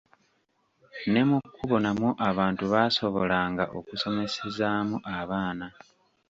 Ne mu kkubo namwo abantu baasobolanga okusomesezaamu abaana.